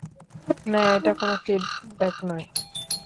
না, এটা কোনও ফিডব্যাক নয়।